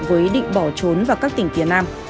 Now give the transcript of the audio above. với định bỏ trốn vào các tỉnh phía nam